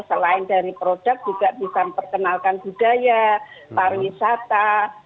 selain dari produk juga bisa memperkenalkan budaya pariwisata